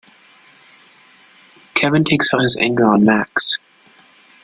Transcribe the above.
Kevin takes out his anger on Max.